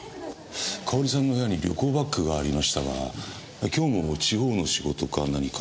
かおりさんの部屋に旅行バッグがありましたが今日も地方の仕事か何か？